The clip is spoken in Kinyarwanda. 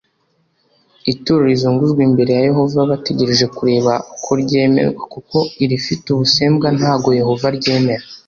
ituro rizunguzwa imbere ya Yehova bategereje kureba koryemerwa kuko irifite ubusembwa ntago yehova aryemera.